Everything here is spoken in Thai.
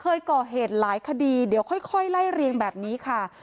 เคยก่อเหตุหลายคดีเดี๋ยวค่อยไล่เรียงแบบนี้ค่ะ